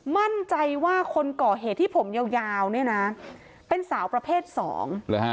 มั่นใจว่าคนก่อเหตุที่ผมยาวนี่นะเป็นสาวประเภทสอง